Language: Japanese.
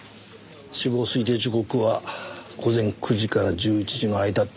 死亡推定時刻は午前９時から１１時の間ってとこかな。